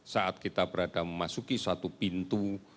saat kita berada memasuki suatu pintu